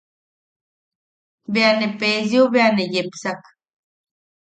Bea ne Peesiou bea ne yepsak.